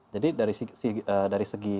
jadi dari segi